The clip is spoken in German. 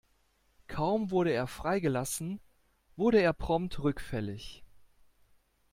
Kaum wurde er freigelassen, wurde er prompt rückfällig.